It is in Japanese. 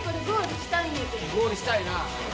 ゴールしたいな。